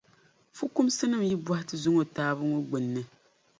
Fukumsinim’ yi bɔhi ti zuŋɔ taabu ŋɔ gbinni.